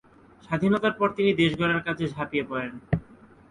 স্বাধীনতার পর তিনি দেশ গড়ার কাজে ঝাঁপিয়ে পড়েন।